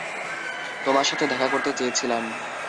তোমার সাথে দেখা করতে চেয়েছিলাম।